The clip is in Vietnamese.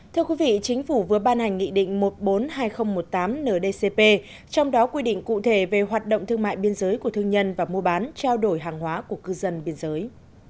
thưa quý vị chính phủ vừa ban hành nghị định một trăm bốn mươi hai nghìn một mươi tám ndcp trong đó quy định cụ thể về hoạt động thương mại biên giới của thương nhân và mua bán trao đổi hàng hóa của cư dân biên giới